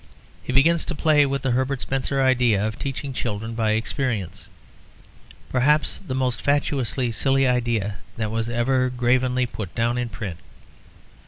He begins to play with the Herbert Spencer idea of teaching children by experience; perhaps the most fatuously silly idea that was ever gravely put down in print.